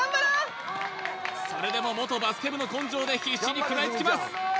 それでも元バスケ部の根性で必死に食らいつきます